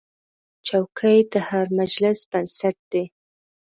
چوکۍ د هر مجلس بنسټ دی.